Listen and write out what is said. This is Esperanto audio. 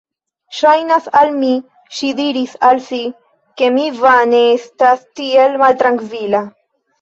Ŝajnas al mi, ŝi diris al si, ke mi vane estas tiel maltrankvila.